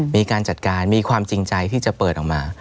มีการจัดการมีความจริงใจที่จะเปิดออกมา